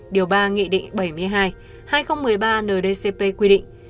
điều ba nghị định bảy mươi hai hai nghìn một mươi ba ndcp quy định